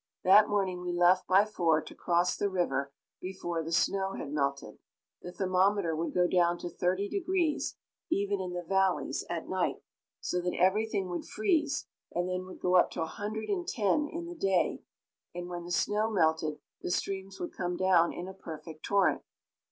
That morning we left by 4 to cross the river before the snow had melted. The thermometer would go down to 30 degrees, even in the valleys, at night, so that everything would freeze, and then would go up to 110 in the day, and when the snow melted the streams would come down in a perfect torrent.